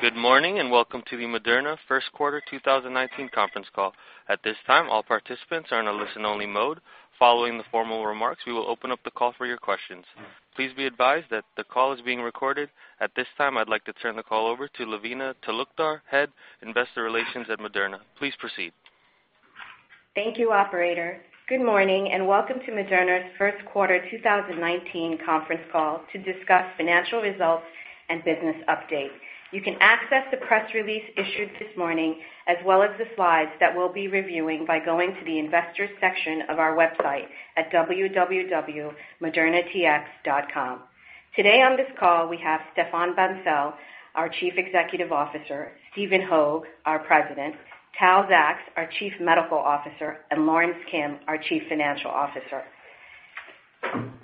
Good morning, welcome to the Moderna first quarter 2019 conference call. At this time, all participants are in a listen-only mode. Following the formal remarks, we will open up the call for your questions. Please be advised that the call is being recorded. At this time, I'd like to turn the call over to Lavina Talukdar, Head, Investor Relations at Moderna. Please proceed. Thank you, operator. Good morning, welcome to Moderna's first quarter 2019 conference call to discuss financial results and business updates. You can access the press release issued this morning, as well as the slides that we'll be reviewing by going to the investors section of our website at www.modernatx.com. Today on this call, we have Stéphane Bancel, our Chief Executive Officer; Stephen Hoge, our President; Tal Zaks, our Chief Medical Officer; and Lorence Kim, our Chief Financial Officer.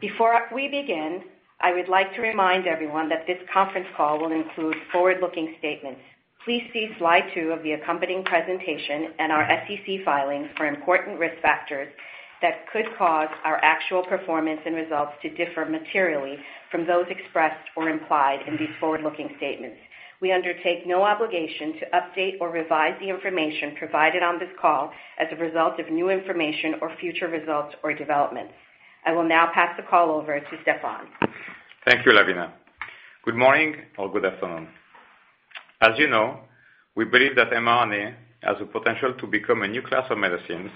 Before we begin, I would like to remind everyone that this conference call will include forward-looking statements. Please see slide two of the accompanying presentation and our SEC filings for important risk factors that could cause our actual performance and results to differ materially from those expressed or implied in these forward-looking statements. We undertake no obligation to update or revise the information provided on this call as a result of new information or future results or developments. I will now pass the call over to Stéphane. Thank you, Lavina. Good morning or good afternoon. As you know, we believe that mRNA has the potential to become a new class of medicines.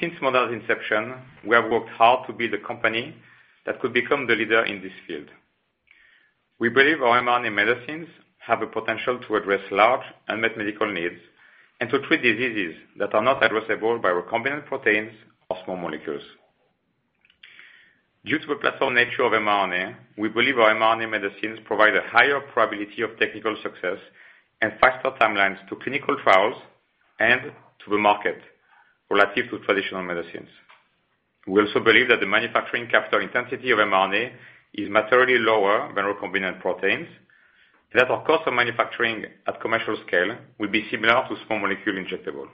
Since Moderna's inception, we have worked hard to build a company that could become the leader in this field. We believe our mRNA medicines have the potential to address large unmet medical needs and to treat diseases that are not addressable by recombinant proteins or small molecules. Due to the platform nature of mRNA, we believe our mRNA medicines provide a higher probability of technical success and faster timelines to clinical trials and to the market relative to traditional medicines. We also believe that the manufacturing capital intensity of mRNA is materially lower than recombinant proteins and that our cost of manufacturing at commercial scale will be similar to small molecule injectable.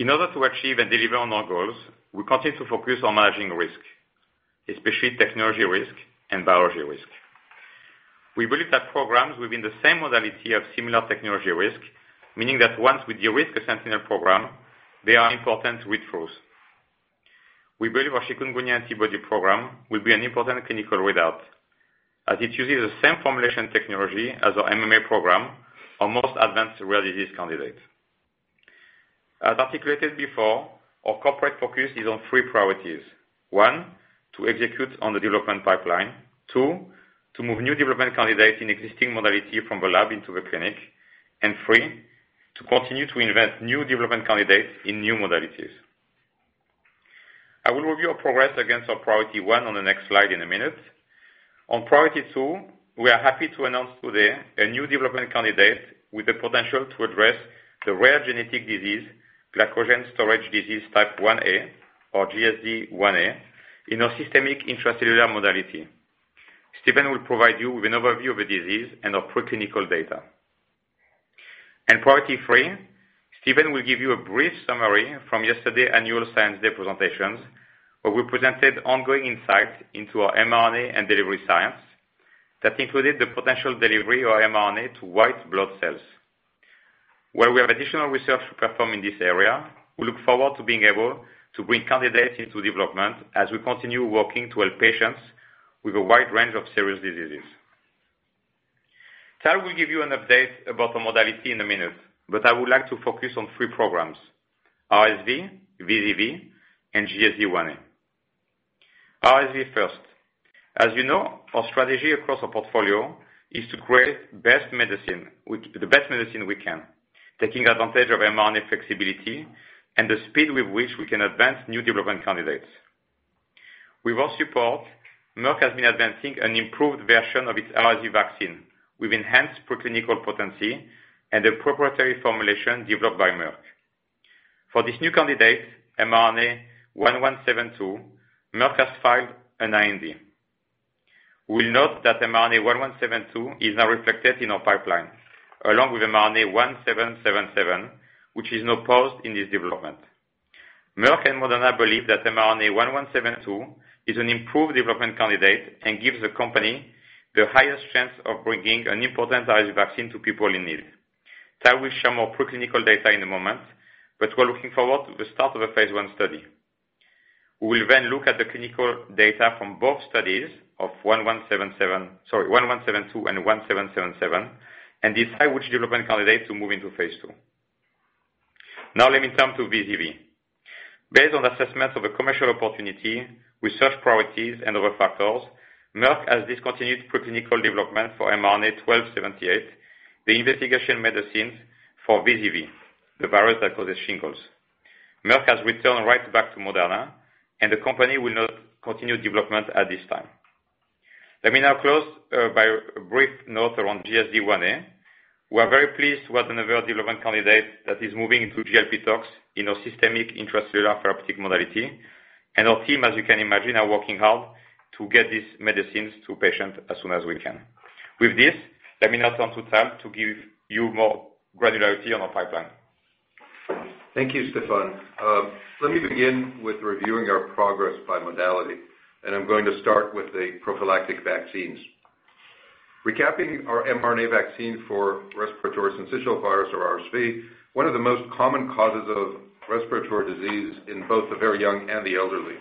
In order to achieve and deliver on our goals, we continue to focus on managing risk, especially technology risk and biology risk. We believe that programs within the same modality have similar technology risk, meaning that once we de-risk a sentinel program, they are important with truth. We believe our Chikungunya antibody program will be an important clinical readout as it uses the same formulation technology as our MMA program, our most advanced rare disease candidate. As articulated before, our corporate focus is on three priorities. One, to execute on the development pipeline. Two, to move new development candidates in existing modality from the lab into the clinic. Three, to continue to invest new development candidates in new modalities. I will review our progress against our priority one on the next slide in a minute. On priority two, we are happy to announce today a new development candidate with the potential to address the rare genetic disease, Glycogen Storage Disease type 1a, or GSD1A, in our systemic intracellular modality. Stephen will provide you with an overview of the disease and our preclinical data. Priority three, Stephen will give you a brief summary from yesterday annual Science Day presentations, where we presented ongoing insights into our mRNA and delivery science that included the potential delivery of mRNA to white blood cells. Where we have additional research to perform in this area, we look forward to being able to bring candidates into development as we continue working to help patients with a wide range of serious diseases. Tal will give you an update about the modality in a minute, but I would like to focus on three programs, RSV, VZV, and GSD1A. RSV first. As you know, our strategy across our portfolio is to create the best medicine we can, taking advantage of mRNA flexibility and the speed with which we can advance new development candidates. With your support, Merck has been advancing an improved version of its RSV vaccine with enhanced preclinical potency and a proprietary formulation developed by Merck. For this new candidate, mRNA-1172, Merck has filed an IND. We will note that mRNA-1172 is now reflected in our pipeline, along with mRNA-1777, which is now paused in its development. Merck and Moderna believe that mRNA-1172 is an improved development candidate and gives the company the highest chance of bringing an important RSV vaccine to people in need. Tal will share more preclinical data in a moment, but we are looking forward to the start of a phase I study. We will then look at the clinical data from both studies of 1172 and 1777, and decide which development candidate to move into phase II. Now let me turn to VZV. Based on assessment of the commercial opportunity, research priorities, and other factors, Merck has discontinued preclinical development for mRNA-1278, the investigation medicines for VZV, the virus that causes shingles. Merck has returned right back to Moderna, and the company will not continue development at this time. Let me now close by a brief note around GSD1A. We are very pleased to add another development candidate that is moving into GLP tox in our systemic intracellular therapeutic modality, and our team, as you can imagine, are working hard to get these medicines to patients as soon as we can. With this, let me now turn to Tal to give you more granularity on our pipeline. Thank you, Stéphane. Let me begin with reviewing our progress by modality. I'm going to start with the prophylactic vaccines. Recapping our mRNA vaccine for respiratory syncytial virus or RSV, one of the most common causes of respiratory disease in both the very young and the elderly.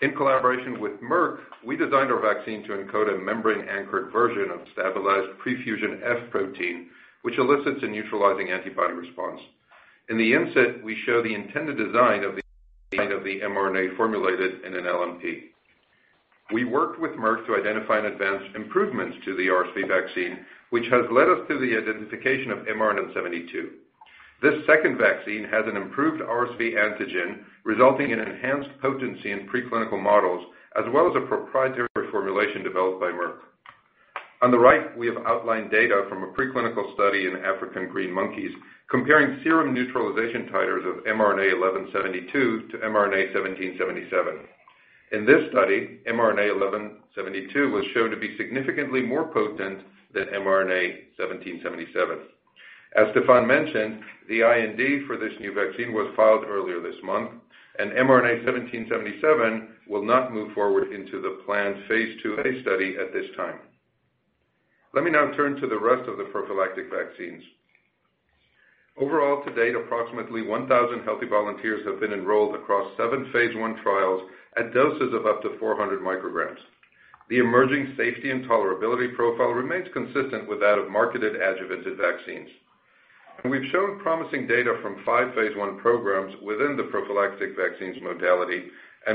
In collaboration with Merck, we designed our vaccine to encode a membrane-anchored version of stabilized pre-fusion F protein, which elicits a neutralizing antibody response. In the inset, we show the intended design of the mRNA formulated in an LNP. We worked with Merck to identify and advance improvements to the RSV vaccine, which has led us to the identification of mRNA-1172. This second vaccine has an improved RSV antigen, resulting in enhanced potency in preclinical models, as well as a proprietary formulation developed by Merck. On the right, we have outlined data from a preclinical study in African green monkeys, comparing serum neutralization titers of mRNA-1172 to mRNA-1777. In this study, mRNA-1172 was shown to be significantly more potent than mRNA-1777. As Stéphane mentioned, the IND for this new vaccine was filed earlier this month. mRNA-1777 will not move forward into the planned phase IIa study at this time. Let me now turn to the rest of the prophylactic vaccines. Overall, to date, approximately 1,000 healthy volunteers have been enrolled across seven phase I trials at doses of up to 400 micrograms. The emerging safety and tolerability profile remains consistent with that of marketed adjuvanted vaccines. We've shown promising data from five phase I programs within the prophylactic vaccines modality.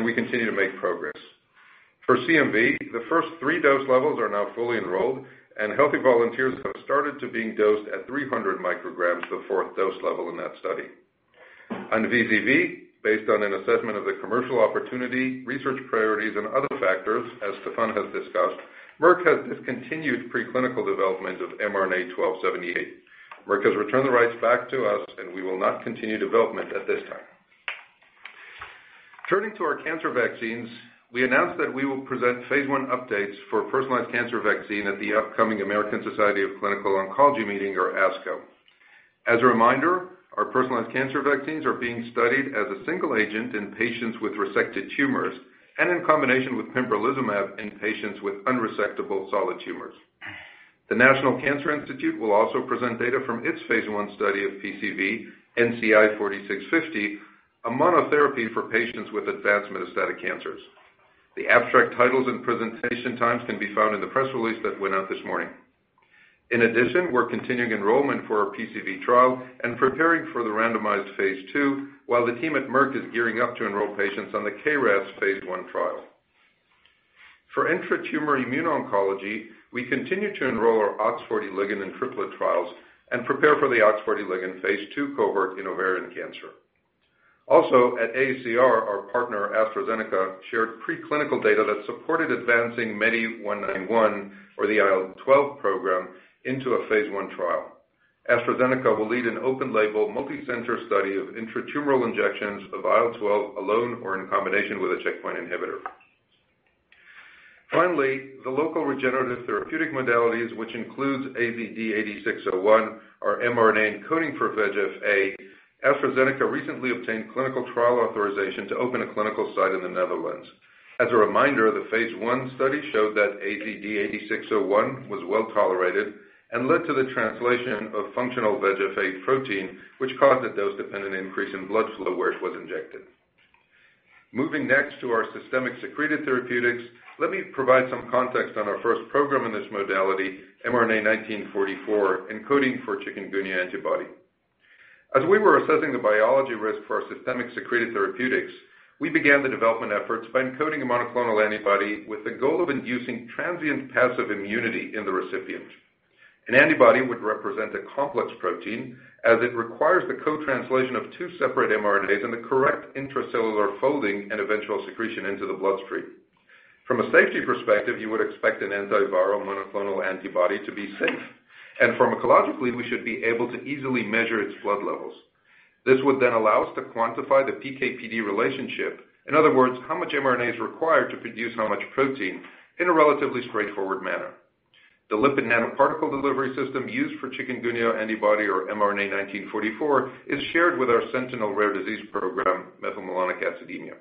We continue to make progress. For CMV, the first 3 dose levels are now fully enrolled. Healthy volunteers have started to be dosed at 300 micrograms, the fourth dose level in that study. On VZV, based on an assessment of the commercial opportunity, research priorities, and other factors, as Stéphane has discussed, Merck has discontinued preclinical development of mRNA-1278. Merck has returned the rights back to us. We will not continue development at this time. Turning to our cancer vaccines, we announced that we will present phase I updates for personalized cancer vaccine at the upcoming American Society of Clinical Oncology meeting or ASCO. As a reminder, our personalized cancer vaccines are being studied as a single agent in patients with resected tumors and in combination with pembrolizumab in patients with unresectable solid tumors. The National Cancer Institute will also present data from its phase I study of PCV, NCI-4650, a monotherapy for patients with advanced metastatic cancers. The abstract titles and presentation times can be found in the press release that went out this morning. In addition, we're continuing enrollment for our PCV trial, preparing for the randomized phase II, while the team at Merck is gearing up to enroll patients on the KRAS phase I trial. For intra-tumor immune oncology, we continue to enroll our OX40 ligand and triplet trials, preparing for the OX40 ligand phase II cohort in ovarian cancer. At AACR, our partner, AstraZeneca, shared preclinical data that supported advancing MEDI1191 or the IL-12 program into a phase I trial. AstraZeneca will lead an open label multi-center study of intra-tumoral injections of IL-12 alone or in combination with a checkpoint inhibitor. The local regenerative therapeutic modalities, which includes AZD8601, our mRNA encoding for VEGF-A. AstraZeneca recently obtained clinical trial authorization to open a clinical site in the Netherlands. As a reminder, the phase I study showed that AZD8601 was well-tolerated and led to the translation of functional VEGF-A protein, which caused a dose-dependent increase in blood flow where it was injected. Moving next to our systemic secreted therapeutics, let me provide some context on our first program in this modality, mRNA-1944, encoding for Chikungunya antibody. As we were assessing the biology risk for our systemic secreted therapeutics, we began the development efforts by encoding a monoclonal antibody with the goal of inducing transient passive immunity in the recipient. An antibody would represent a complex protein as it requires the co-translation of two separate mRNAs and the correct intracellular folding and eventual secretion into the bloodstream. From a safety perspective, you would expect an antiviral monoclonal antibody to be safe, and pharmacologically, we should be able to easily measure its blood levels. This would allow us to quantify the PK/PD relationship. In other words, how much mRNA is required to produce how much protein in a relatively straightforward manner. The lipid nanoparticle delivery system used for Chikungunya antibody or mRNA-1944 is shared with our sentinel rare disease program, methylmalonic acidemia.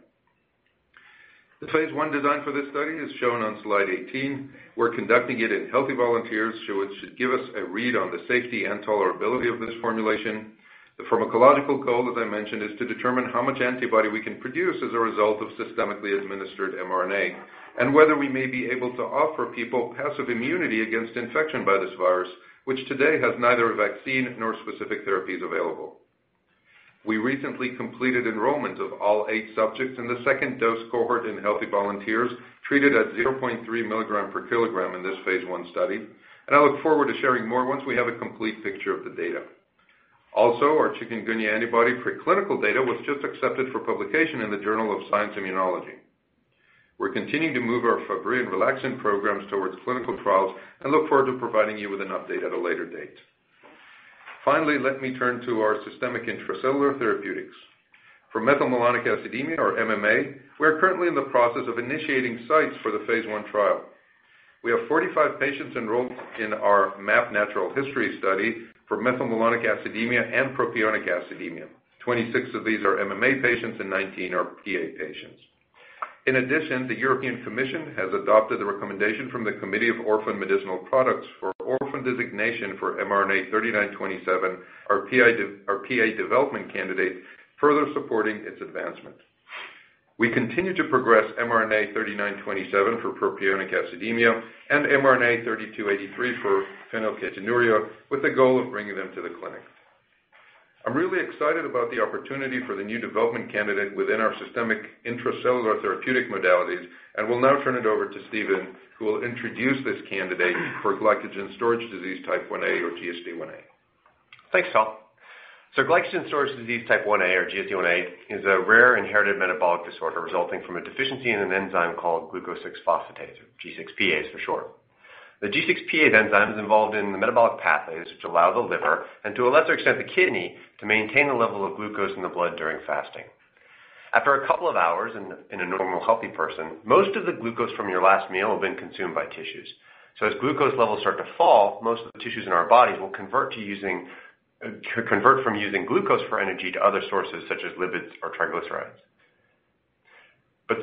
The phase I design for this study is shown on slide 18. We're conducting it in healthy volunteers. It should give us a read on the safety and tolerability of this formulation. The pharmacological goal, as I mentioned, is to determine how much antibody we can produce as a result of systemically administered mRNA, and whether we may be able to offer people passive immunity against infection by this virus, which today has neither a vaccine nor specific therapies available. We recently completed enrollment of all eight subjects in the second dose cohort in healthy volunteers treated at 0.3 milligram per kilogram in this phase I study. I look forward to sharing more once we have a complete picture of the data. Our Chikungunya antibody pre-clinical data was just accepted for publication in the Journal of Science Immunology. We're continuing to move our Fabry and relaxin programs towards clinical trials. We look forward to providing you with an update at a later date. Let me turn to our systemic intracellular therapeutics. For methylmalonic acidemia or MMA, we're currently in the process of initiating sites for the phase I trial. We have 45 patients enrolled in our MAP natural history study for methylmalonic acidemia and propionic acidemia. 26 of these are MMA patients and 19 are PA patients. The European Commission has adopted the recommendation from the Committee for Orphan Medicinal Products for orphan designation for mRNA-3927, our PA development candidate, further supporting its advancement. We continue to progress mRNA-3927 for propionic acidemia and mRNA-3283 for phenylketonuria, with the goal of bringing them to the clinic. I'm really excited about the opportunity for the new development candidate within our systemic intracellular therapeutic modalities. I will now turn it over to Stephen, who will introduce this candidate for Glycogen Storage Disease type 1a or GSD1a. Thanks, Tal. Glycogen Storage Disease type 1a or GSD1A, is a rare inherited metabolic disorder resulting from a deficiency in an enzyme called glucose-6-phosphatase, G6P for short. The G6Pase enzyme is involved in the metabolic pathways which allow the liver, and to a lesser extent the kidney, to maintain the level of glucose in the blood during fasting. After a couple of hours in a normal, healthy person, most of the glucose from your last meal has been consumed by tissues. As glucose levels start to fall, most of the tissues in our bodies will convert from using glucose for energy to other sources, such as lipids or triglycerides.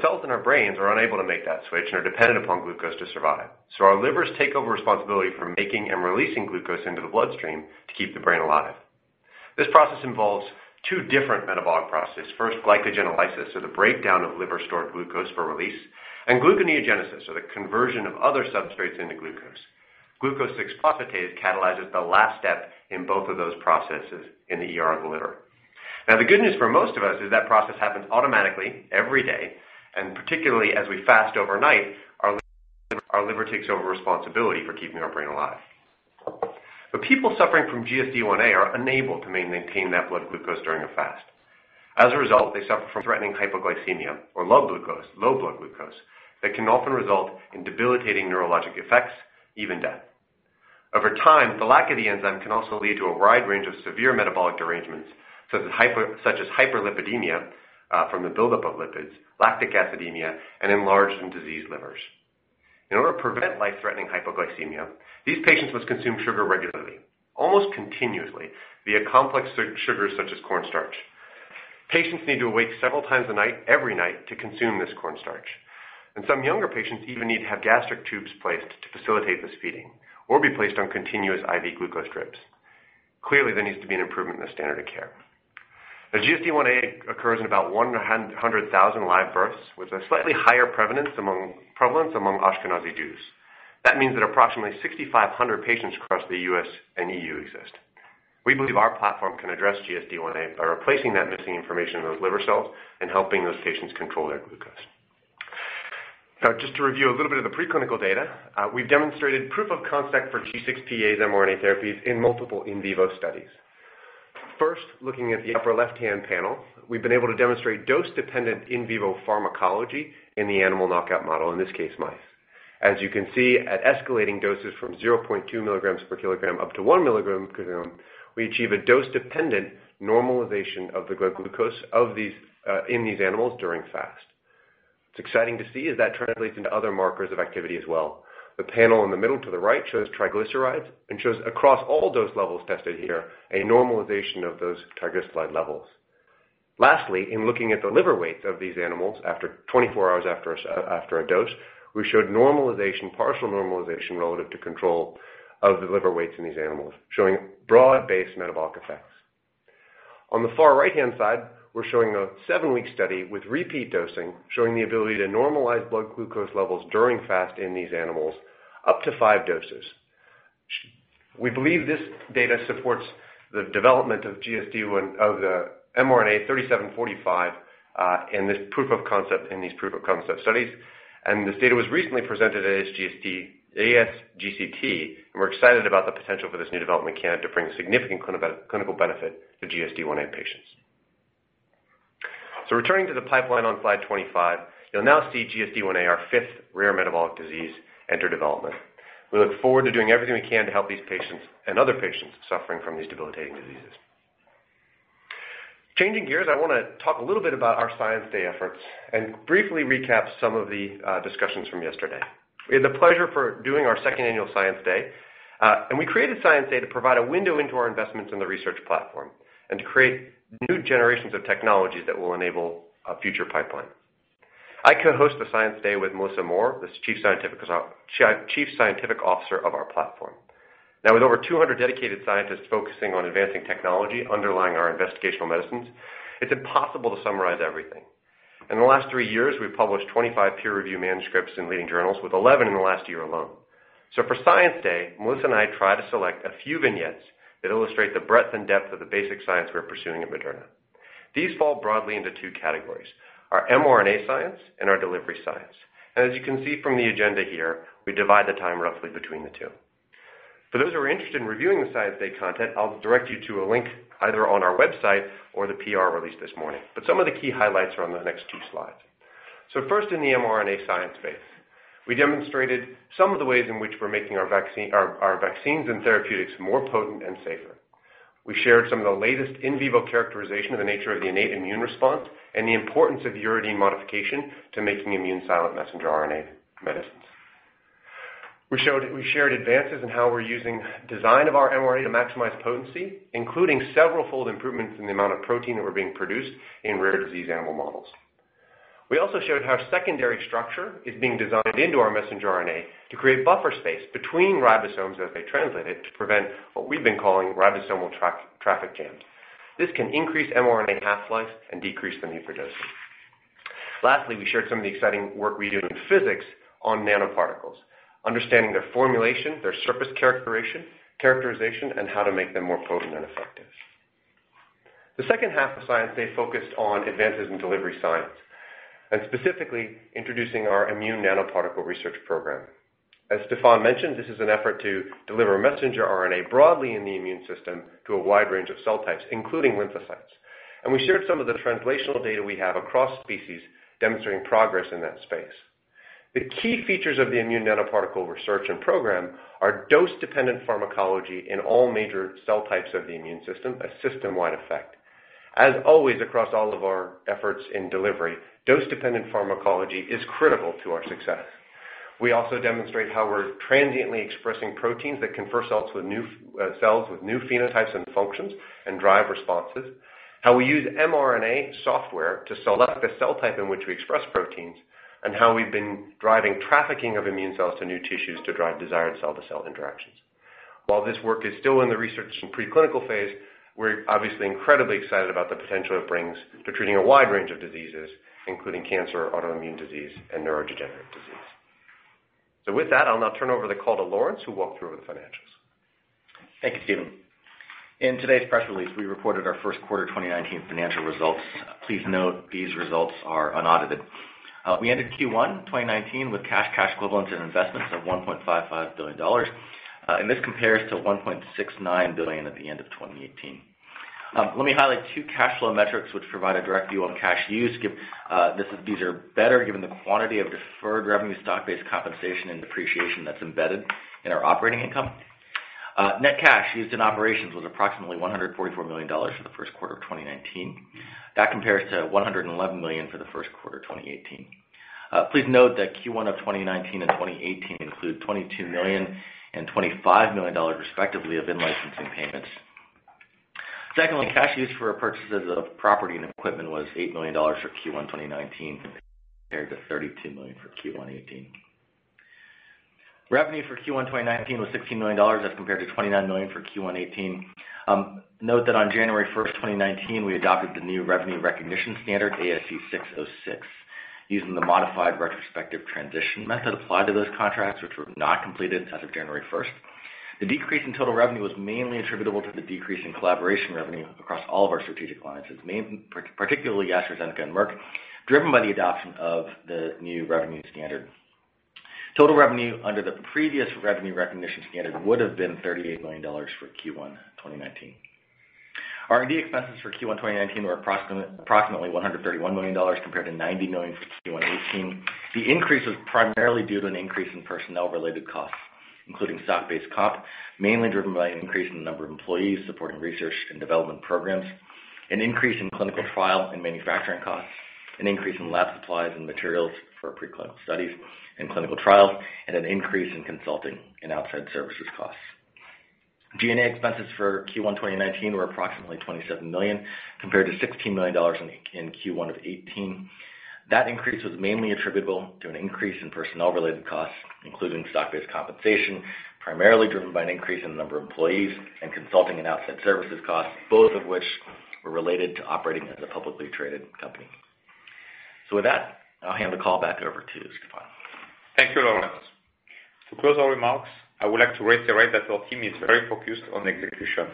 Cells in our brains are unable to make that switch and are dependent upon glucose to survive. Our livers take over responsibility for making and releasing glucose into the bloodstream to keep the brain alive. This process involves two different metabolic processes. First, glycogenolysis, or the breakdown of liver-stored glucose for release, and gluconeogenesis, or the conversion of other substrates into glucose. Glucose-6-phosphatase catalyzes the last step in both of those processes in the ER of the liver. The good news for most of us is that process happens automatically every day, and particularly as we fast overnight, our liver takes over responsibility for keeping our brain alive. People suffering from GSD1A are unable to maintain that blood glucose during a fast. As a result, they suffer from threatening hypoglycemia or low blood glucose, that can often result in debilitating neurologic effects, even death. Over time, the lack of the enzyme can also lead to a wide range of severe metabolic derangements, such as hyperlipidemia, from the buildup of lipids, lactic acidemia, and enlarged and diseased livers. In order to prevent life-threatening hypoglycemia, these patients must consume sugar regularly, almost continuously, via complex sugars such as cornstarch. Patients need to awake several times a night, every night, to consume this cornstarch, and some younger patients even need to have gastric tubes placed to facilitate this feeding or be placed on continuous IV glucose drips. Clearly, there needs to be an improvement in the standard of care. GSD1A occurs in about one in 100,000 live births, with a slightly higher prevalence among Ashkenazi Jews. That means that approximately 6,500 patients across the U.S. and EU exist. We believe our platform can address GSD1A by replacing that missing information in those liver cells and helping those patients control their glucose. Just to review a little bit of the preclinical data, we've demonstrated proof of concept for G6Pase mRNA therapies in multiple in vivo studies. First, looking at the upper left-hand panel, we've been able to demonstrate dose-dependent in vivo pharmacology in the animal knockout model, in this case, mice. As you can see, at escalating doses from 0.2 milligrams per kilogram up to one milligram per kilogram, we achieve a dose-dependent normalization of the glucose in these animals during fast. It's exciting to see if that translates into other markers of activity as well. The panel in the middle to the right shows triglycerides and shows across all dose levels tested here, a normalization of those triglyceride levels. Lastly, in looking at the liver weights of these animals 24 hours after a dose, we showed partial normalization relative to control of the liver weights in these animals, showing broad-based metabolic effects. On the far right-hand side, we're showing a seven-week study with repeat dosing, showing the ability to normalize blood glucose levels during fast in these animals, up to five doses. We believe this data supports the development of the mRNA-3745 in these proof of concept studies, and this data was recently presented at ASGCT, and we're excited about the potential for this new development candidate to bring significant clinical benefit to GSD1A patients. Returning to the pipeline on slide 25, you'll now see GSD1A, our fifth rare metabolic disease, enter development. We look forward to doing everything we can to help these patients and other patients suffering from these debilitating diseases. Changing gears, I want to talk a little bit about our Science Day efforts and briefly recap some of the discussions from yesterday. We had the pleasure for doing our second annual Science Day, and we created Science Day to provide a window into our investments in the research platform and to create new generations of technologies that will enable a future pipeline. I co-host the Science Day with Melissa Moore, the Chief Scientific Officer of our platform. With over 200 dedicated scientists focusing on advancing technology underlying our investigational medicines, it's impossible to summarize everything. In the last three years, we've published 25 peer-review manuscripts in leading journals, with 11 in the last year alone. For Science Day, Melissa and I try to select a few vignettes that illustrate the breadth and depth of the basic science we're pursuing at Moderna. These fall broadly into two categories, our mRNA science and our delivery science. As you can see from the agenda here, we divide the time roughly between the two. For those who are interested in reviewing the Science Day content, I'll direct you to a link either on our website or the PR release this morning. Some of the key highlights are on the next two slides. First in the mRNA science space, we demonstrated some of the ways in which we're making our vaccines and therapeutics more potent and safer. We shared some of the latest in vivo characterization of the nature of the innate immune response and the importance of uridine modification to making immune silent messenger RNA medicines. We shared advances in how we're using design of our mRNA to maximize potency, including several-fold improvements in the amount of protein that were being produced in rare disease animal models. We also showed how secondary structure is being designed into our messenger RNA to create buffer space between ribosomes as they translate it, to prevent what we've been calling ribosomal traffic jams. This can increase mRNA half-life and decrease the need for dosing. Lastly, we shared some of the exciting work we do in physics on nanoparticles, understanding their formulation, their surface characterization, and how to make them more potent and effective. The second half of Science Day focused on advances in delivery science, and specifically introducing our immune nanoparticle research program. As Stéphane mentioned, this is an effort to deliver messenger RNA broadly in the immune system to a wide range of cell types, including lymphocytes. We shared some of the translational data we have across species demonstrating progress in that space. The key features of the immune nanoparticle research and program are dose-dependent pharmacology in all major cell types of the immune system, a system-wide effect. As always, across all of our efforts in delivery, dose-dependent pharmacology is critical to our success. We also demonstrate how we're transiently expressing proteins that confer cells with new phenotypes and functions and drive responses. How we use mRNA software to select the cell type in which we express proteins, and how we've been driving trafficking of immune cells to new tissues to drive desired cell-to-cell interactions. While this work is still in the research and preclinical phase, we're obviously incredibly excited about the potential it brings to treating a wide range of diseases, including cancer, autoimmune disease, and neurodegenerative disease. With that, I'll now turn over the call to Lorence to walk through the financials. Thank you, Stephen. In today's press release, we reported our first quarter 2019 financial results. Please note these results are unaudited. We ended Q1 2019 with cash equivalents, and investments of $1.55 billion. This compares to $1.69 billion at the end of 2018. Let me highlight two cash flow metrics which provide a direct view on cash use, these are better given the quantity of deferred revenue stock-based compensation and depreciation that's embedded in our operating income. Net cash used in operations was approximately $144 million for the first quarter of 2019. That compares to $111 million for the first quarter 2018. Please note that Q1 of 2019 and 2018 include $22 million and $25 million, respectively, of in-licensing payments. Secondly, cash used for purchases of property and equipment was $8 million for Q1 2019 compared to $32 million for Q1 2018. Revenue for Q1 2019 was $16 million as compared to $29 million for Q1 2018. Note that on January 1st, 2019, we adopted the new revenue recognition standard, ASC 606, using the modified retrospective transition method applied to those contracts, which were not completed as of January 1st. The decrease in total revenue was mainly attributable to the decrease in collaboration revenue across all of our strategic alliances, particularly AstraZeneca and Merck, driven by the adoption of the new revenue standard. Total revenue under the previous revenue recognition standard would have been $38 million for Q1 2019. R&D expenses for Q1 2019 were approximately $131 million, compared to $90 million for Q1 2018. The increase was primarily due to an increase in personnel-related costs, including stock-based comp, mainly driven by an increase in the number of employees supporting research and development programs, an increase in clinical trial and manufacturing costs, an increase in lab supplies and materials for preclinical studies and clinical trials, and an increase in consulting and outside services costs. G&A expenses for Q1 2019 were approximately $27 million, compared to $16 million in Q1 of 2018. That increase was mainly attributable to an increase in personnel-related costs, including stock-based compensation, primarily driven by an increase in the number of employees and consulting and outside services costs, both of which were related to operating as a publicly traded company. With that, I'll hand the call back over to Stéphane. Thank you, Lorence. To close our remarks, I would like to reiterate that our team is very focused on execution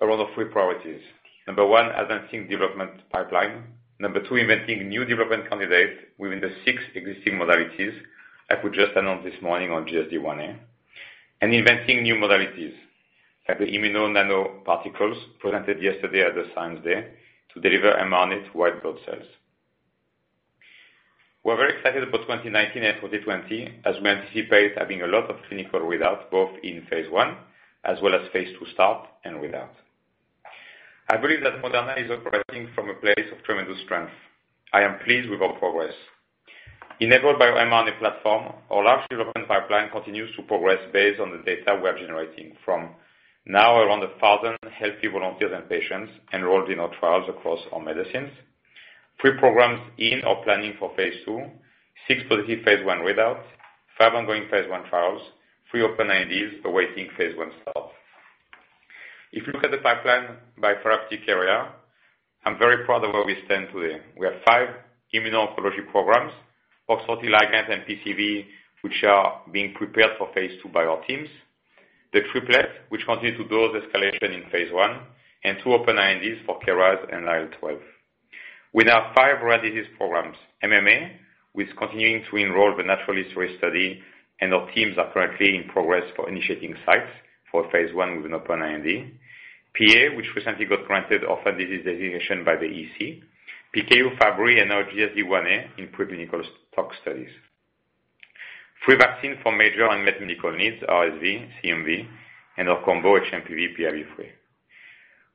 around the three priorities. Number one, advancing development pipeline. Number two, inventing new development candidates within the six existing modalities I could just announce this morning on GSD1A. Inventing new modalities, like the immuno nanoparticles presented yesterday at the Science Day, to deliver mRNA to white blood cells. We're very excited about 2019 and 2020 as we anticipate having a lot of clinical readouts both in phase I as well as phase II start and readouts. I believe that Moderna is operating from a place of tremendous strength. I am pleased with our progress. Enabled by our mRNA platform, our large development pipeline continues to progress based on the data we are generating from now around 1,000 healthy volunteers and patients enrolled in our trials across our medicines. Three programs in or planning for phase II, six positive phase I readouts, five ongoing phase I trials, three open INDs awaiting phase I start. If you look at the pipeline by therapeutic area, I'm very proud of where we stand today. We have five immuno-oncology programs, OX40 ligand and PCV, which are being prepared for phase II by our teams. The triplet, which continues to dose escalation in phase I, and two open INDs for KRAS and IL-12. We now have five rare disease programs. MMA, which is continuing to enroll the natural history study, and our teams are currently in progress for initiating sites for phase I with an open IND. PA, which recently got granted orphan disease designation by the EC. PKU, Fabry, and GSD1A in preclinical toxic studies. Three vaccines for major unmet medical needs, RSV, CMV, and our combo which hMPV/PIV3.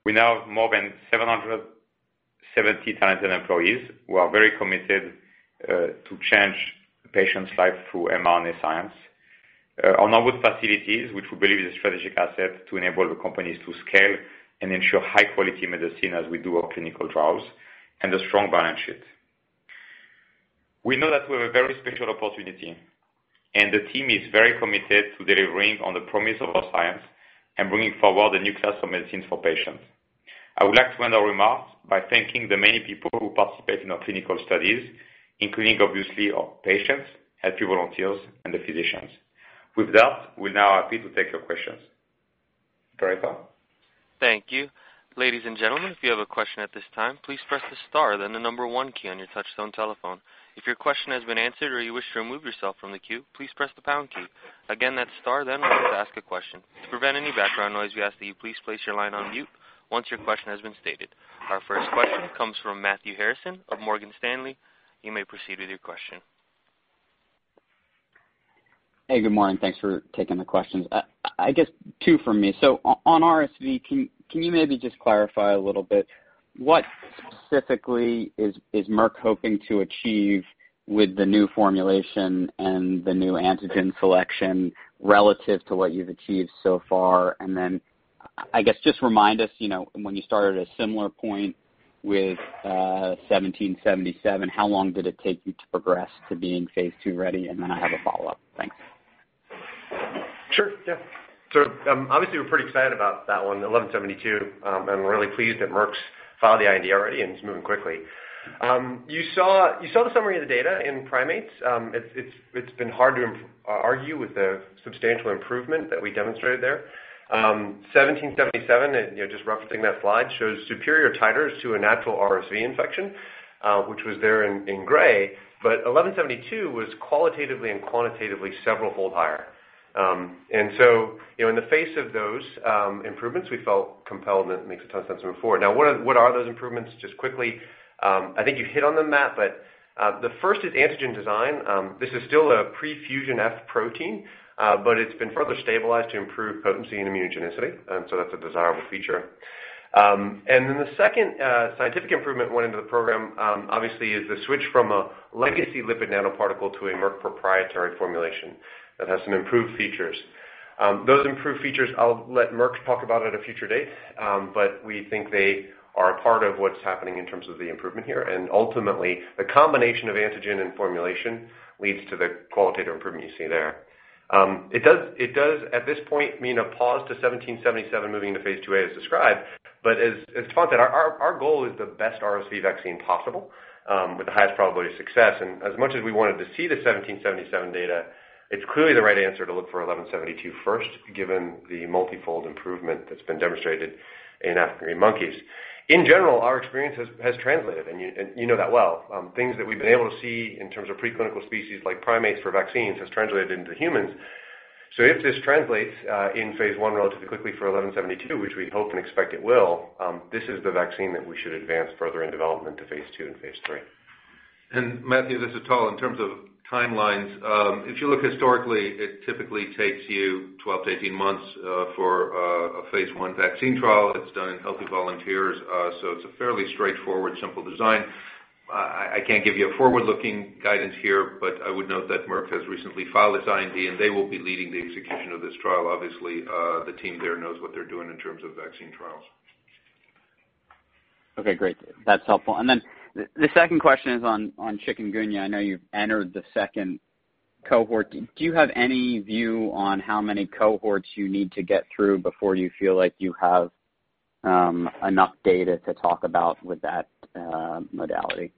We now have more than 770 talented employees who are very committed to change patients' lives through mRNA science. Our Norwood facilities, which we believe is a strategic asset to enable the companies to scale and ensure high-quality medicine as we do our clinical trials, and a strong balance sheet. We know that we have a very special opportunity, and the team is very committed to delivering on the promise of our science and bringing forward a new class of medicines for patients. I would like to end our remarks by thanking the many people who participate in our clinical studies, including obviously our patients, healthy volunteers, and the physicians. With that, we are now happy to take your questions. Operator? Thank you. Ladies and gentlemen, if you have a question at this time, please press the star then the number 1 key on your touchtone telephone. If your question has been answered or you wish to remove yourself from the queue, please press the pound key. Again, that's star then 1 to ask a question. To prevent any background noise, we ask that you please place your line on mute once your question has been stated. Our first question comes from Matthew Harrison of Morgan Stanley. You may proceed with your question. Hey, good morning. Thanks for taking the questions. I guess two from me. On RSV, can you maybe just clarify a little bit what specifically is Merck hoping to achieve with the new formulation and the new antigen selection relative to what you've achieved so far? Then I guess just remind us, when you started a similar point with 1777, how long did it take you to progress to being phase II-ready? Then I have a follow-up. Thanks. Sure. Yeah. Obviously we're pretty excited about that one, 1172, and we're really pleased that Merck's filed the IND already and it's moving quickly. You saw the summary of the data in primates. It's been hard to argue with the substantial improvement that we demonstrated there. 1777, just referencing that slide, shows superior titers to a natural RSV infection, which was there in gray. 1172 was qualitatively and quantitatively severalfold higher. In the face of those improvements, we felt compelled, and it makes a ton of sense to move forward. What are those improvements? Just quickly, I think you hit on them, Matt, but the first is antigen design. This is still a pre-fusion F protein, but it's been further stabilized to improve potency and immunogenicity, that's a desirable feature. The second scientific improvement went into the program, obviously is the switch from a legacy lipid nanoparticle to a Merck proprietary formulation that has some improved features. Those improved features, I'll let Merck talk about at a future date, we think they are a part of what's happening in terms of the improvement here. Ultimately, the combination of antigen and formulation leads to the qualitative improvement you see there. It does at this point mean a pause to 1777 moving to phase IIa as described, as Tal said, our goal is the best RSV vaccine possible, with the highest probability of success. As much as we wanted to see the 1777 data, it's clearly the right answer to look for 1172 first, given the multifold improvement that's been demonstrated in African green monkeys. In general, our experience has translated, and you know that well. Things that we've been able to see in terms of preclinical species like primates for vaccines has translated into humans. If this translates in phase I relatively quickly for 1172, which we hope and expect it will, this is the vaccine that we should advance further in development to phase II and phase III. Matthew, this is Tal. In terms of timelines, if you look historically, it typically takes you 12 to 18 months for a phase I vaccine trial that's done in healthy volunteers. It's a fairly straightforward, simple design. I can't give you a forward-looking guidance here, but I would note that Merck has recently filed its IND, and they will be leading the execution of this trial. Obviously, the team there knows what they're doing in terms of vaccine trials. That's helpful. The second question is on Chikungunya. I know you've entered the second cohort. Do you have any view on how many cohorts you need to get through before you feel like you have enough data to talk about with that modality?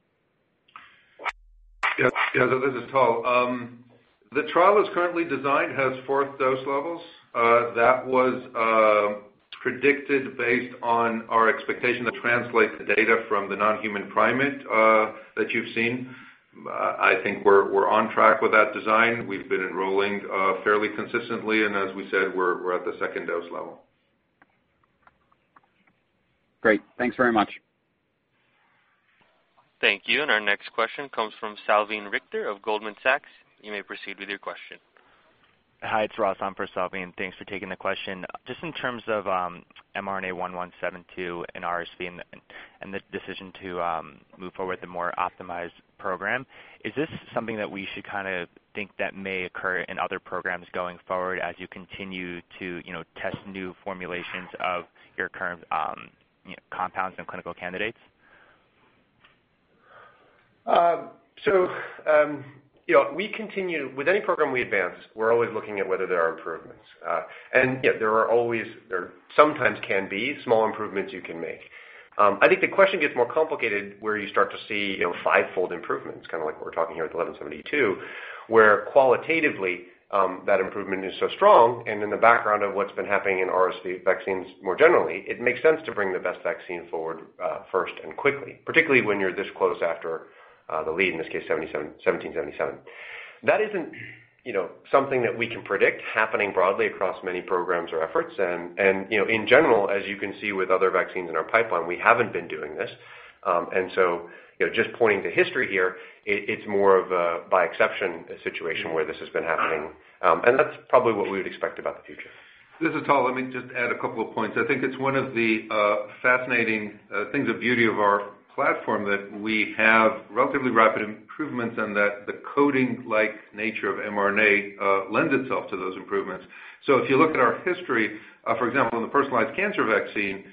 Yeah. This is Tal. The trial as currently designed has fourth dose levels. That was predicted based on our expectation to translate the data from the non-human primate that you've seen. I think we're on track with that design. We've been enrolling fairly consistently, and as we said, we're at the second dose level. Great. Thanks very much. Thank you. Our next question comes from Salveen Richter of Goldman Sachs. You may proceed with your question. Hi, it's Ross for Salveen. Thanks for taking the question. Just in terms of mRNA-1172 and RSV and this decision to move forward with a more optimized program, is this something that we should think that may occur in other programs going forward as you continue to test new formulations of your current compounds and clinical candidates? With any program we advance, we're always looking at whether there are improvements. Yeah, there sometimes can be small improvements you can make. I think the question gets more complicated where you start to see fivefold improvements, kind of like what we're talking here with 1172, where qualitatively, that improvement is so strong, and in the background of what's been happening in RSV vaccines more generally, it makes sense to bring the best vaccine forward first and quickly, particularly when you're this close after the lead, in this case 1777. That isn't something that we can predict happening broadly across many programs or efforts. In general, as you can see with other vaccines in our pipeline, we haven't been doing this. So, just pointing to history here, it's more of a by-exception situation where this has been happening. That's probably what we would expect about the future. This is Tal Zaks. Let me just add a couple of points. I think it's one of the fascinating things of beauty of our platform, that we have relatively rapid improvements and that the coding-like nature of mRNA lends itself to those improvements. If you look at our history, for example, in the Personalized Cancer Vaccine,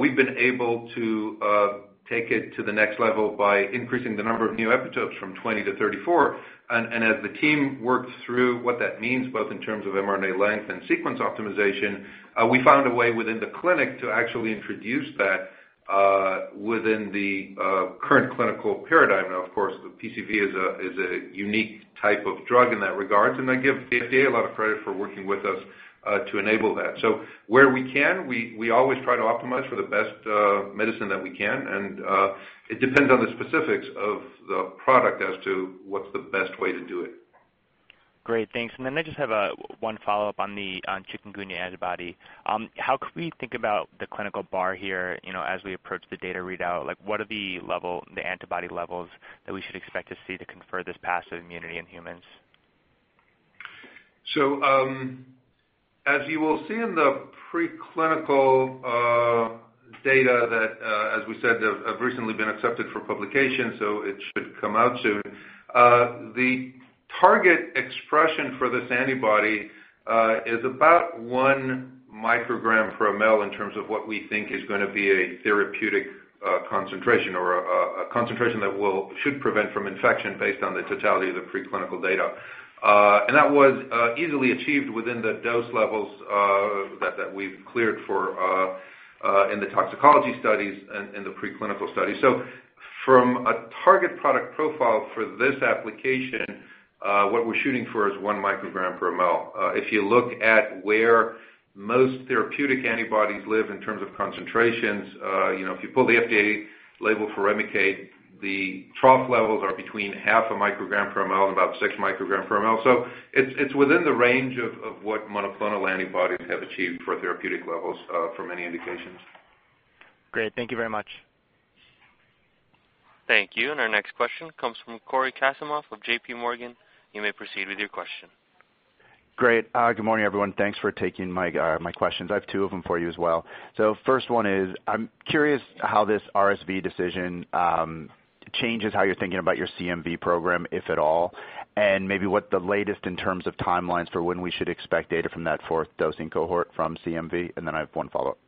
we've been able to take it to the next level by increasing the number of new epitopes from 20 to 34. As the team worked through what that means, both in terms of mRNA length and sequence optimization, we found a way within the clinic to actually introduce that within the current clinical paradigm. Of course, the PCV is a unique type of drug in that regard, and I give the FDA a lot of credit for working with us to enable that. Where we can, we always try to optimize for the best medicine that we can, and it depends on the specifics of the product as to what's the best way to do it. Great, thanks. I just have one follow-up on the Chikungunya antibody. How could we think about the clinical bar here as we approach the data readout? What are the antibody levels that we should expect to see to confer this passive immunity in humans? As you will see in the preclinical data that, as we said, have recently been accepted for publication, so it should come out soon. The target expression for this antibody is about one microgram per ml in terms of what we think is going to be a therapeutic concentration or a concentration that should prevent from infection based on the totality of the preclinical data. That was easily achieved within the dose levels that we've cleared for in the toxicology studies and the preclinical studies. From a target product profile for this application, what we're shooting for is one microgram per ml. If you look at where most therapeutic antibodies live in terms of concentrations, if you pull the FDA label for Rituxan, the trough levels are between half a microgram per ml and about six micrograms per ml. It's within the range of what monoclonal antibodies have achieved for therapeutic levels for many indications. Great. Thank you very much. Thank you. Our next question comes from Cory Kasimov of JPMorgan. You may proceed with your question. Great. Good morning, everyone. Thanks for taking my questions. I have two of them for you as well. First one is, I'm curious how this RSV decision changes how you're thinking about your CMV program, if at all, and maybe what the latest in terms of timelines for when we should expect data from that fourth dosing cohort from CMV. I have one follow-up.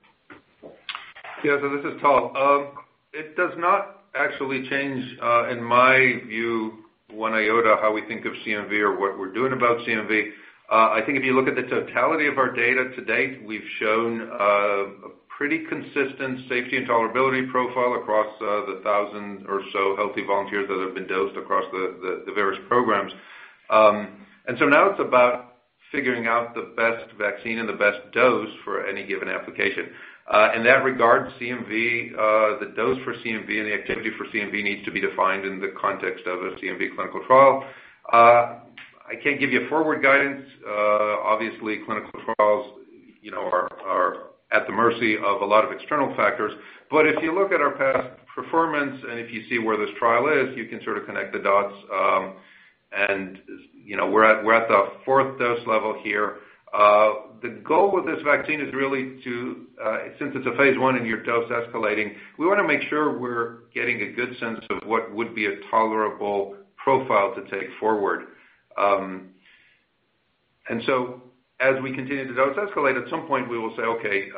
Yeah. This is Tal. It does not actually change, in my view, one iota how we think of CMV or what we're doing about CMV. I think if you look at the totality of our data to date, we've shown a pretty consistent safety and tolerability profile across the thousand or so healthy volunteers that have been dosed across the various programs. Now it's about figuring out the best vaccine and the best dose for any given application. In that regard, the dose for CMV and the activity for CMV needs to be defined in the context of a CMV clinical trial. I can't give you forward guidance. Obviously, clinical trials are at the mercy of a lot of external factors. If you look at our past performance, and if you see where this trial is, you can sort of connect the dots. We're at the 4 dose level here. The goal with this vaccine is really to, since it's a phase I and you're dose escalating, we want to make sure we're getting a good sense of what would be a tolerable profile to take forward. As we continue to dose escalate, at some point we will say, "Okay,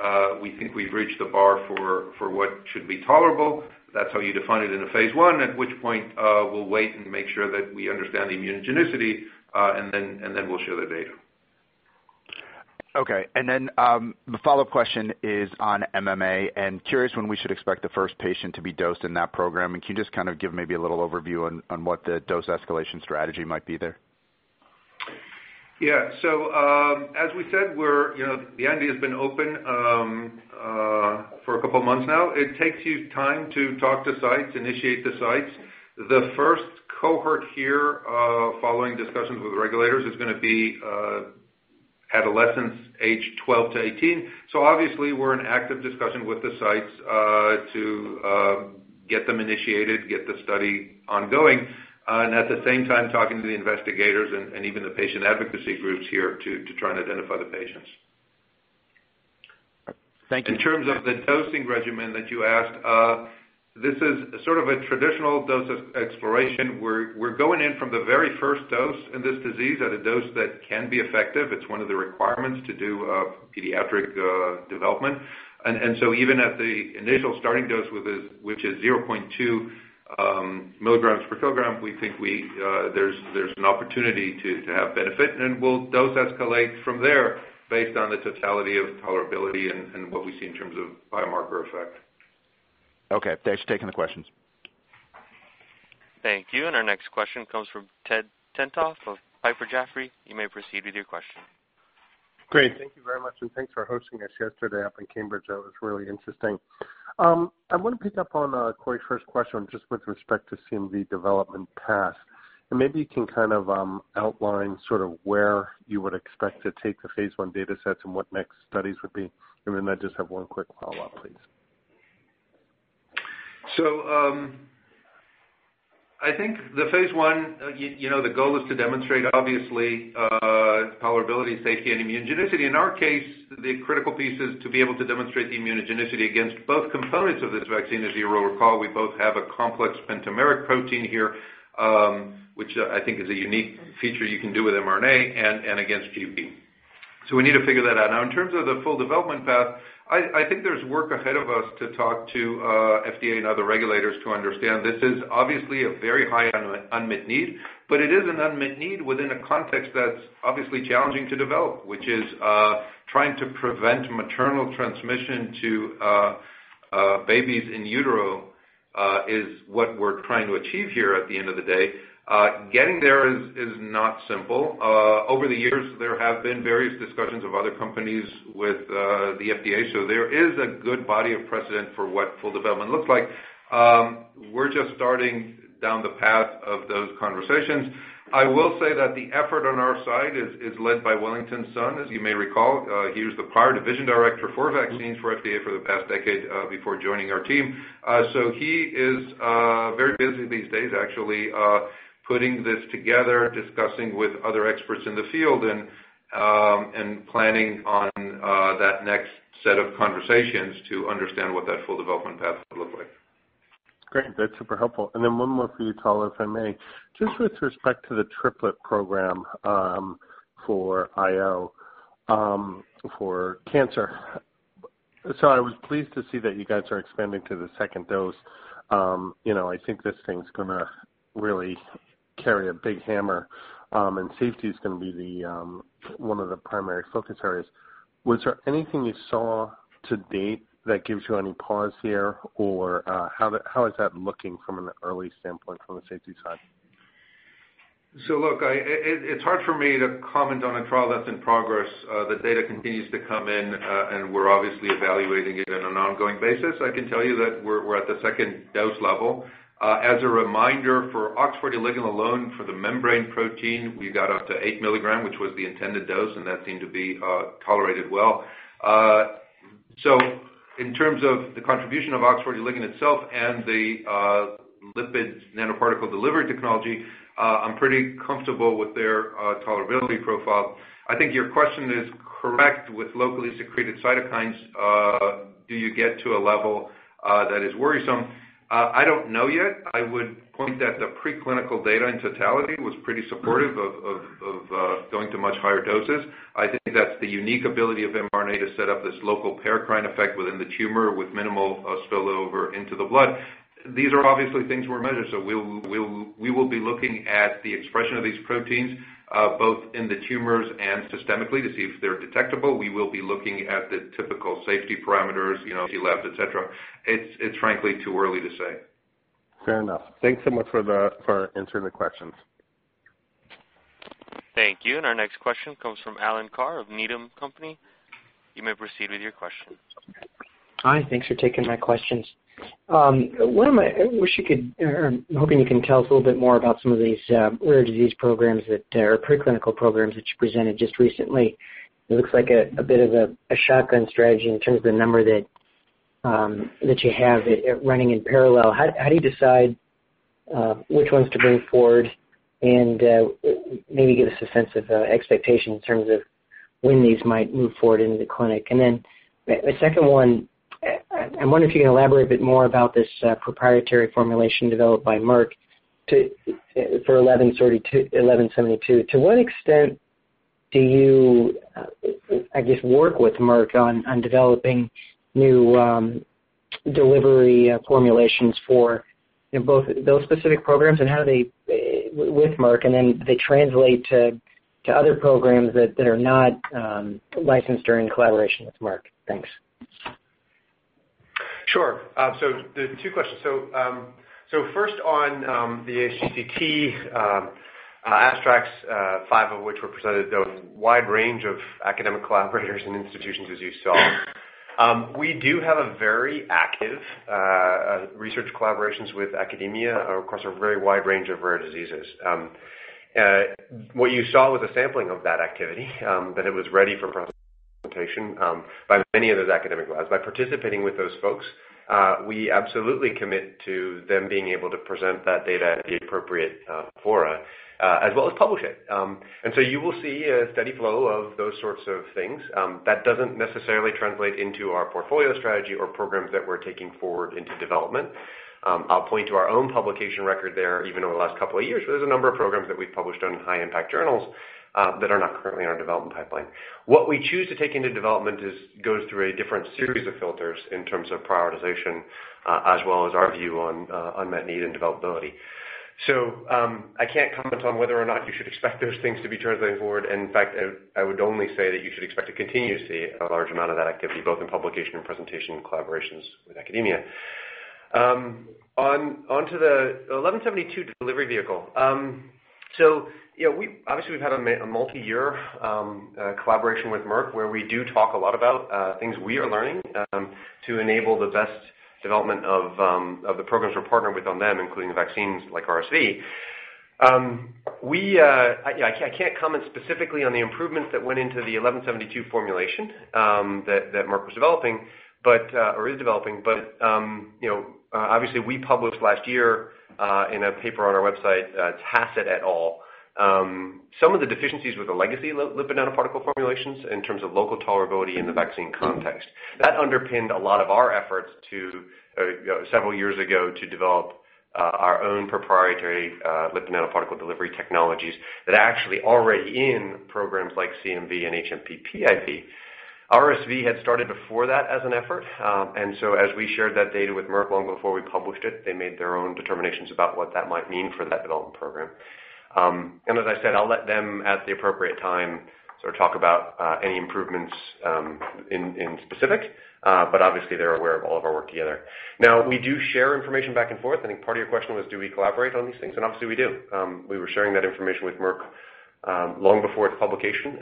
we think we've reached the bar for what should be tolerable." That's how you define it in a phase I. At which point, we'll wait and make sure that we understand the immunogenicity, we'll show the data. Okay. The follow-up question is on MMA, curious when we should expect the first patient to be dosed in that program. Can you just kind of give maybe a little overview on what the dose escalation strategy might be there? Yeah. As we said, the IND has been open for a couple of months now. It takes you time to talk to sites, initiate the sites. The first cohort here, following discussions with regulators, is going to be adolescents aged 12 to 18. Obviously we're in active discussion with the sites to get them initiated, get the study ongoing, and at the same time talking to the investigators and even the patient advocacy groups here to try and identify the patients. Thank you. In terms of the dosing regimen that you asked, this is sort of a traditional dose exploration. We're going in from the very first dose in this disease at a dose that can be effective. It's one of the requirements to do pediatric development. Even at the initial starting dose, which is 0.2 milligrams per kilogram, we think there's an opportunity to have benefit, and we'll dose escalate from there based on the totality of tolerability and what we see in terms of biomarker effect. Okay. Thanks for taking the questions. Thank you. Our next question comes from Edward Tenthoff of Piper Jaffray. You may proceed with your question. Great. Thank you very much, and thanks for hosting us yesterday up in Cambridge. That was really interesting. I want to pick up on Cory's first question, just with respect to CMV development path. Maybe you can outline sort of where you would expect to take the phase I data sets and what next studies would be. Then I just have one quick follow-up, please. I think the phase I, the goal is to demonstrate obviously, tolerability, safety and immunogenicity. In our case, the critical piece is to be able to demonstrate the immunogenicity against both components of this vaccine. As you will recall, we both have a complex pentameric protein here, which I think is a unique feature you can do with mRNA, and against gB. We need to figure that out. In terms of the full development path, I think there's work ahead of us to talk to FDA and other regulators to understand. This is obviously a very high unmet need, but it is an unmet need within a context that's obviously challenging to develop, which is trying to prevent maternal transmission to babies in utero is what we're trying to achieve here at the end of the day. Getting there is not simple. Over the years, there have been various discussions of other companies with the FDA, there is a good body of precedent for what full development looks like. We're just starting down the path of those conversations. I will say that the effort on our side is led by Wellington Sun. As you may recall, he was the prior division director for vaccines for FDA for the past decade before joining our team. He is very busy these days, actually, putting this together, discussing with other experts in the field, and planning on that next set of conversations to understand what that full development path will look like. Great. That's super helpful. One more for you, Tal, if I may. Just with respect to the triplet program for IO for cancer. I was pleased to see that you guys are expanding to the second dose. I think this thing's going to really carry a big hammer, and safety is going to be one of the primary focus areas. Was there anything you saw to date that gives you any pause here? Or how is that looking from an early standpoint from the safety side? Look, it's hard for me to comment on a trial that's in progress. The data continues to come in, and we're obviously evaluating it on an ongoing basis. I can tell you that we're at the dose level 2. As a reminder, for OX40L alone, for the membrane protein, we got up to eight milligrams, which was the intended dose, and that seemed to be tolerated well. In terms of the contribution of OX40L itself and the lipid nanoparticle delivery technology, I'm pretty comfortable with their tolerability profile. I think your question is correct with locally secreted cytokines. Do you get to a level that is worrisome? I don't know yet. I would point that the preclinical data in totality was pretty supportive of going to much higher doses. I think that's the unique ability of mRNA to set up this local paracrine effect within the tumor with minimal spillover into the blood. These are obviously things we'll measure. We will be looking at the expression of these proteins, both in the tumors and systemically, to see if they're detectable. We will be looking at the typical safety parameters, you know, LVEF, et cetera. It's frankly too early to say. Fair enough. Thanks so much for answering the questions. Thank you. Our next question comes from Alan Carr of Needham & Company. You may proceed with your question. Hi, thanks for taking my questions. I'm hoping you can tell us a little bit more about some of these rare disease programs that are preclinical programs that you presented just recently. It looks like a bit of a shotgun strategy in terms of the number that you have running in parallel. How do you decide which ones to bring forward? Maybe give us a sense of expectation in terms of when these might move forward into the clinic. Then the second one, I wonder if you can elaborate a bit more about this proprietary formulation developed by Merck for 1172. To what extent do you, I guess, work with Merck on developing new delivery formulations for both those specific programs and how they, with Merck, then they translate to other programs that are not licensed or in collaboration with Merck? Thanks. Sure. The two questions. First on the ASGCT abstracts, five of which were presented. There was a wide range of academic collaborators and institutions, as you saw. We do have a very active research collaborations with academia across a very wide range of rare diseases. What you saw was a sampling of that activity, that it was ready for presentation by many of those academic labs. By participating with those folks, we absolutely commit to them being able to present that data at the appropriate fora, as well as publish it. You will see a steady flow of those sorts of things. That doesn't necessarily translate into our portfolio strategy or programs that we're taking forward into development. I'll point to our own publication record there. Even over the last couple of years, there's a number of programs that we've published on high impact journals that are not currently in our development pipeline. What we choose to take into development goes through a different series of filters in terms of prioritization, as well as our view on unmet need and developability. I can't comment on whether or not you should expect those things to be translating forward. In fact, I would only say that you should expect to continue to see a large amount of that activity, both in publication and presentation and collaborations with academia. Onto the mRNA-1172 delivery vehicle. We've had a multi-year collaboration with Merck, where we do talk a lot about things we are learning to enable the best development of the programs we're partnered with on them, including the vaccines like RSV. I can't comment specifically on the improvements that went into the mRNA-1172 formulation that Merck was developing or is developing. Obviously, we published last year in a paper on our website, Hassett et al. Some of the deficiencies with the legacy lipid nanoparticle formulations in terms of local tolerability in the vaccine context. That underpinned a lot of our efforts several years ago to develop our own proprietary lipid nanoparticle delivery technologies that are actually already in programs like CMV and hMPV/PIV3. RSV had started before that as an effort. As we shared that data with Merck long before we published it, they made their own determinations about what that might mean for that development program. As I said, I'll let them at the appropriate time talk about any improvements in specific. Obviously, they're aware of all of our work together. We do share information back and forth. I think part of your question was do we collaborate on these things? Obviously, we do. We were sharing that information with Merck long before its publication.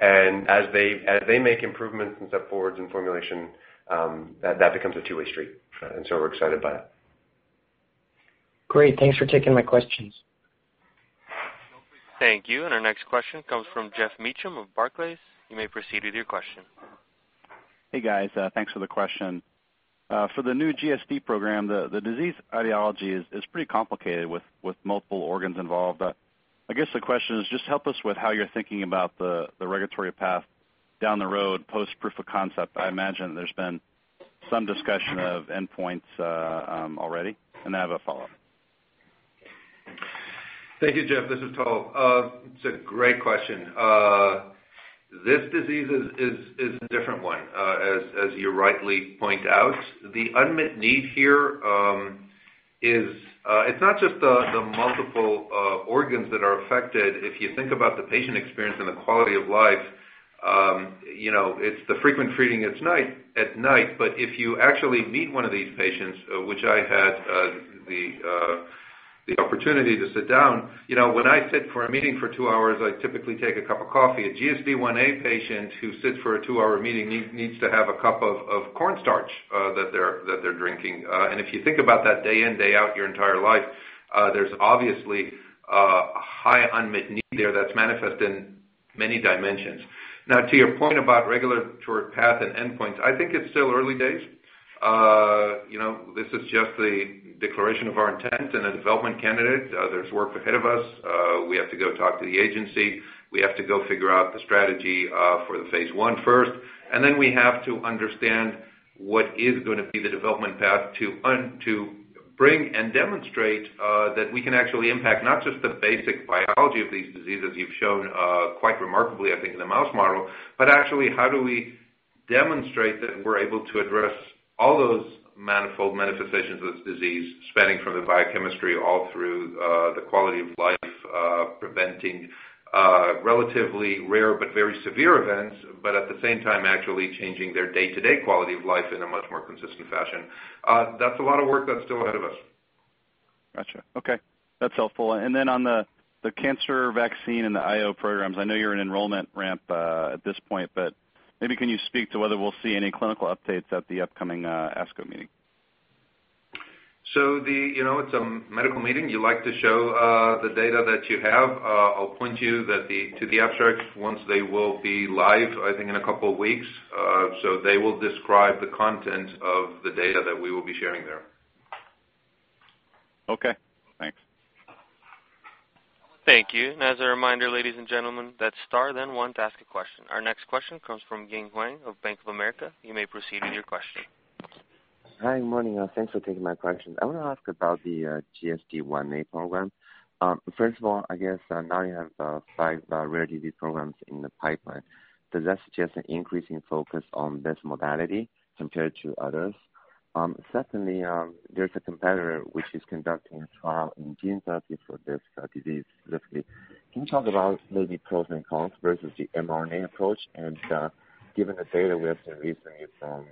As they make improvements and step forwards in formulation, that becomes a two-way street. We're excited by that. Great. Thanks for taking my questions. Thank you. Our next question comes from Geoffrey Meacham of Barclays. You may proceed with your question. Hey, guys. Thanks for the question. For the new GSD program, the disease etiology is pretty complicated with multiple organs involved. I guess the question is just help us with how you're thinking about the regulatory path down the road post proof of concept. I imagine there's been some discussion of endpoints already. I have a follow-up. Thank you, Geoff. This is Tal. It's a great question. This disease is a different one, as you rightly point out. The unmet need here is not just the multiple organs that are affected. If you think about the patient experience and the quality of life, it's the frequent treating at night. If you actually meet one of these patients, which I had the opportunity to sit down. When I sit for a meeting for 2 hours, I typically take a cup of coffee. A GSD1A patient who sits for a 2-hour meeting needs to have a cup of cornstarch that they're drinking. If you think about that day in, day out your entire life, there's obviously a high unmet need there that's manifest in many dimensions. To your point about regulatory path and endpoints, I think it's still early days. This is just the declaration of our intent and a development candidate. There's work ahead of us. We have to go talk to the agency. We have to go figure out the strategy for the phase I first, we have to understand what is going to be the development path to bring and demonstrate that we can actually impact not just the basic biology of these diseases you've shown quite remarkably, I think, in the mouse model. Actually, how do we demonstrate that we're able to address all those manifold manifestations of this disease, spanning from the biochemistry all through the quality of life, preventing relatively rare but very severe events. At the same time, actually changing their day-to-day quality of life in a much more consistent fashion. That's a lot of work that's still ahead of us. Got you. Okay. That's helpful. On the cancer vaccine and the IO programs, I know you're in enrollment ramp at this point, maybe can you speak to whether we'll see any clinical updates at the upcoming ASCO meeting? It's a medical meeting. You like to show the data that you have. I'll point you to the abstracts once they will be live, I think in a couple of weeks. They will describe the content of the data that we will be sharing there. Okay. Thanks. Thank you. As a reminder, ladies and gentlemen, that's star 1 to ask a question. Our next question comes from Ying Huang of Bank of America. You may proceed with your question. Hi, morning. Thanks for taking my questions. I want to ask about the GSD1A program. First of all, I guess now you have five rare disease programs in the pipeline. Does that suggest an increasing focus on this modality compared to others? Secondly, there's a competitor which is conducting a trial in gene therapy for this disease, uniQure. Can you talk about maybe pros and cons versus the mRNA approach? Given the data we have seen recently from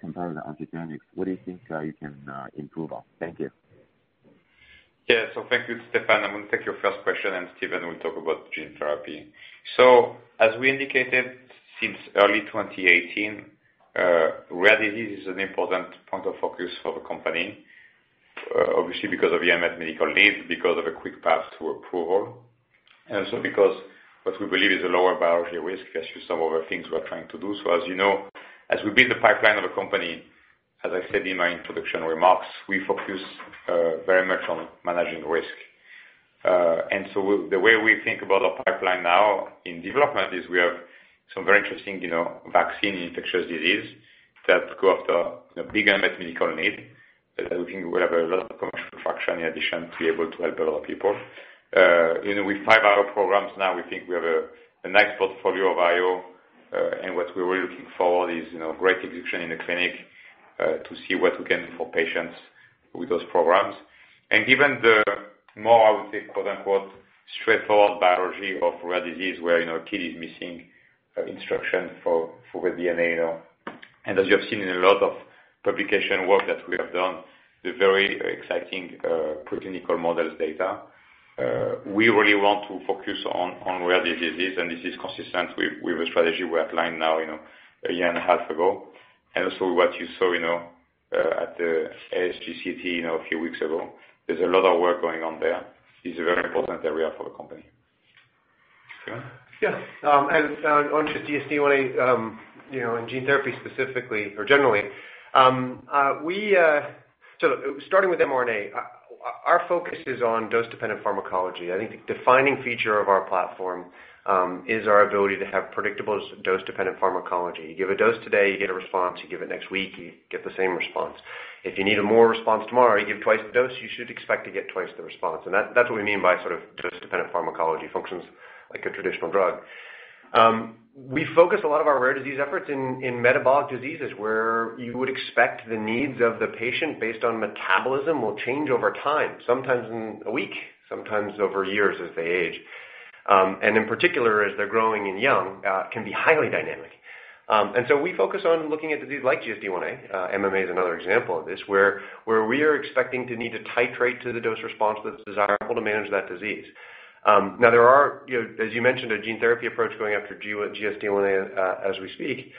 competitor Ultragenyx, what do you think you can improve on? Thank you. Thank you, Stéphane. I'm going to take your first question, and Stephen will talk about gene therapy. As we indicated since early 2018, rare disease is an important point of focus for the company. Obviously, because of the unmet medical needs, because of a quick path to approval, and also because what we believe is a lower biology risk as some of the things we're trying to do. As you know, as we build the pipeline of a company, as I said in my introduction remarks, we focus very much on managing risk. The way we think about our pipeline now in development is we have some very interesting vaccine infectious disease that go after a big unmet medical need that I think we have a lot of commercial fraction in addition to be able to help a lot of people. With 5 other programs now, we think we have a nice portfolio of IO. What we're really looking for is great execution in the clinic to see what we can do for patients. With those programs. Given the more, I would say, "straightforward biology of rare disease," where a kid is missing instruction for the DNA. As you have seen in a lot of publication work that we have done, the very exciting preclinical models data. We really want to focus on rare diseases, and this is consistent with the strategy we outlined now a year and a half ago, also what you saw at the ASGCT a few weeks ago. There's a lot of work going on there. This is a very important area for the company. Stephen? On GSD1a, in gene therapy specifically or generally. Starting with mRNA, our focus is on dose-dependent pharmacology. I think the defining feature of our platform, is our ability to have predictable dose-dependent pharmacology. You give a dose today, you get a response. You give it next week, you get the same response. If you need more response tomorrow, you give twice the dose, you should expect to get twice the response. That's what we mean by dose-dependent pharmacology, functions like a traditional drug. We focus a lot of our rare disease efforts in metabolic diseases, where you would expect the needs of the patient based on metabolism will change over time, sometimes in a week, sometimes over years as they age. In particular, as they're growing and young, can be highly dynamic. We focus on looking at disease like GSD1a. MMA is another example of this, where we are expecting to need to titrate to the dose response that's desirable to manage that disease. There are, as you mentioned, a gene therapy approach going after GSD1A as we speak.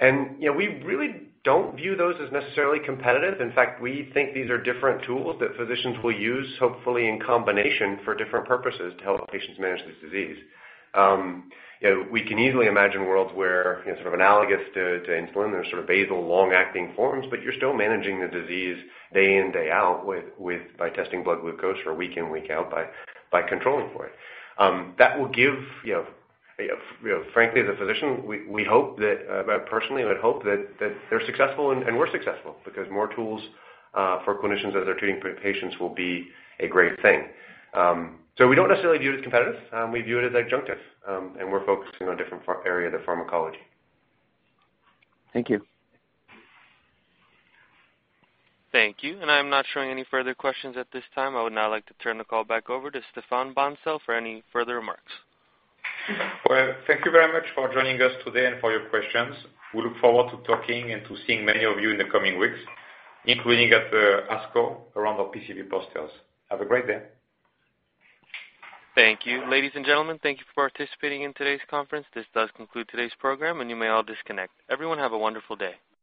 We really don't view those as necessarily competitive. In fact, we think these are different tools that physicians will use, hopefully in combination for different purposes to help patients manage this disease. We can easily imagine worlds where, sort of analogous to insulin, there's sort of basal long-acting forms, but you're still managing the disease day in, day out by testing blood glucose, or week in, week out by controlling for it. That will give, frankly, the physician, we hope that, personally, I would hope that they're successful and we're successful because more tools for clinicians as they're treating patients will be a great thing. We don't necessarily view it as competitive. We view it as adjunctive. We're focusing on different area of the pharmacology. Thank you. Thank you. I'm not showing any further questions at this time. I would now like to turn the call back over to Stéphane Bancel for any further remarks. Thank you very much for joining us today and for your questions. We look forward to talking and to seeing many of you in the coming weeks, including at the ASCO around our PCV posters. Have a great day. Thank you. Ladies and gentlemen, thank you for participating in today's conference. This does conclude today's program. You may all disconnect. Everyone, have a wonderful day.